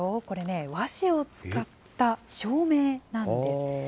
これね、和紙を使った照明なんです。